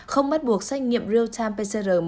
không bắt buộc sách nghiệm real time pcr